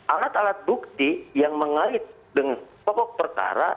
alat alat bukti yang mengait dengan pokok perkara